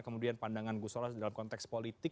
kemudian pandangan gusola dalam konteks politik